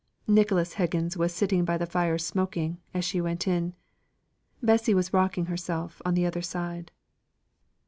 Nicholas Higgins was sitting by the fire smoking, as she went in. Bessy was rocking herself on the other side.